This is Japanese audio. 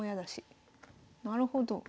なるほど。